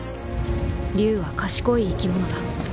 竜は賢い生き物だ。